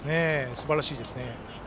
すばらしいですね。